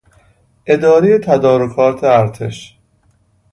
اداره تدارکات ارتش